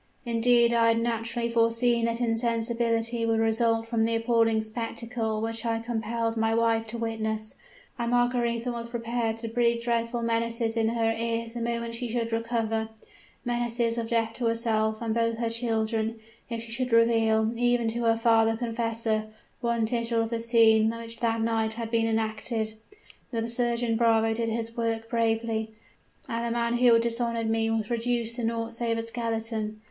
Indeed I had naturally foreseen that insensibility would result from the appalling spectacle which I compelled my wife to witness: and Margaretha was prepared to breathe dreadful menaces in her ears the moment she should recover menaces of death to herself and both her children if she should reveal, even to her father confessor, one tittle of the scene which that night had been enacted! The surgeon bravo did his work bravely; and the man who had dishonored me was reduced to naught save a skeleton!